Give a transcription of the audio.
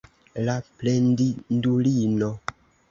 La plendindulino!